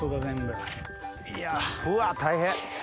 うわ大変。